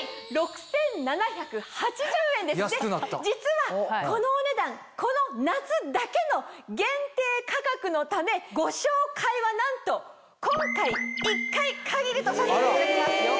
実はこのお値段この夏だけの限定価格のためご紹介はなんと今回１回限りとさせていただきます。